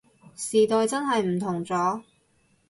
時代真係唔同咗